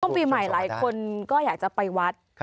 ปีใหม่หลายคนก็อยากจะไปวัด